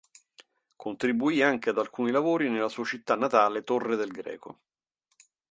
Contribuì anche ad alcuni lavori nella sua città natale Torre del Greco.